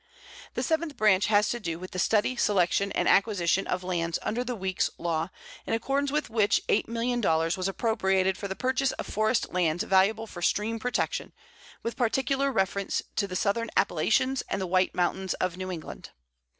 The seventh branch has to do with the study, selection, and acquisition of lands under the Weeks law, in accordance with which eight million dollars was appropriated for the purchase of forest lands valuable for stream protection, with particular reference to the Southern Appalachians and the White Mountains of New England.